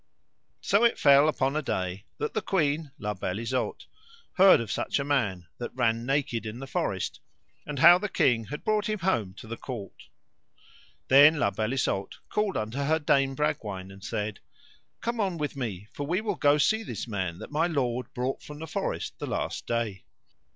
So it fell upon a day that the queen, La Beale Isoud, heard of such a man, that ran naked in the forest, and how the king had brought him home to the court. Then La Beale Isoud called unto her Dame Bragwaine and said: Come on with me, for we will go see this man that my lord brought from the forest the last day.